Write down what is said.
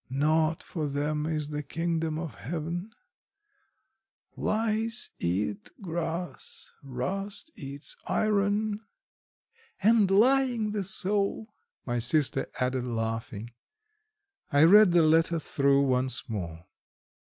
Not for them is the Kingdom of Heaven. Lice eat grass, rust eats iron. .." "And lying the soul," my sister added laughing. I read the letter through once more.